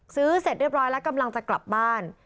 เสร็จเรียบร้อยแล้วกำลังจะกลับบ้าน